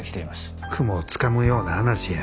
雲をつかむような話や。